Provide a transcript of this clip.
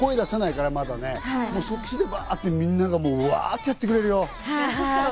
今、声出せないからまだね、そっちでみんながワ！ってやってくれるよ。